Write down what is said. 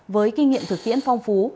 với kinh nghiệm thực tiễn phong phú